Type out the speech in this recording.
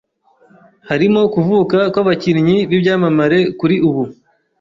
harimo kuvuka kw’abakinnyi bibyamamare kuri ubu